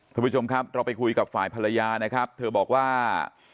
คุณผู้ชมครับเราไปคุยกับฝ่ายภรรยานะครับเธอบอกว่า